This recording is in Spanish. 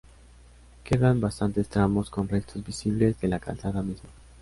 Quedan bastantes tramos con restos visibles de la calzada misma.